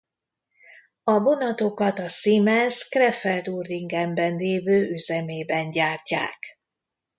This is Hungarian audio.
A vonatokat a Siemens Krefeld-Uerdingen-ben lévő üzemében gyártják.